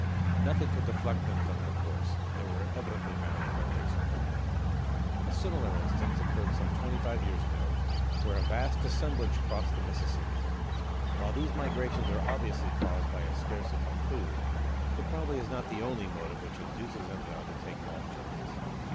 Nothing could deflect them from their course, and they were evidently bound for a fixed point. A similar instance occurred some twenty five years ago, where a vast assemblage crossed the Mississippi. While these migrations are obviously caused by a scarcity of food, it probably is not the only motive which induces them to undertake long journeys.